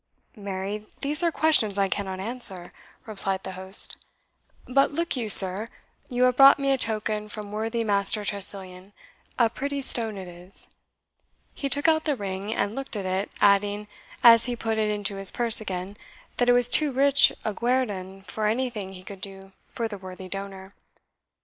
"Marry, these are questions I cannot answer," replied the host. "But look you, sir, you have brought me a token from worthy Master Tressilian a pretty stone it is." He took out the ring, and looked at it, adding, as he put it into his purse again, that it was too rich a guerdon for anything he could do for the worthy donor.